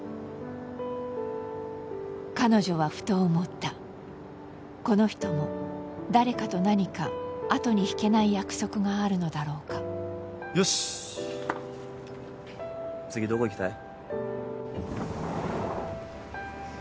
彼女はふと思ったこの人も誰かと何かあとに引けない約束があるのだろうかよし次どこ行きたい？